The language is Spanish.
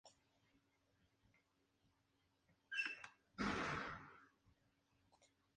La cara del reloj tiene un diámetro de seis metros.